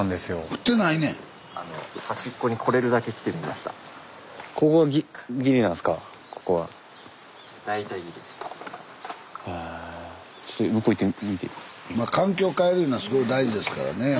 スタジオまあ環境変えるいうのはすごい大事ですからねえ。